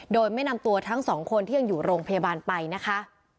โดยไม่นำตัวทั้งสองคนที่ยังอยู่โรงพยาบาลไปนะคะ